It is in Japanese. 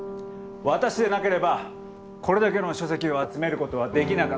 私でなければこれだけの書籍を集めることはできなかった。